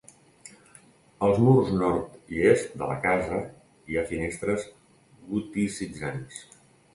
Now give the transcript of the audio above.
Als murs Nord i Est de la casa hi ha finestres goticitzants.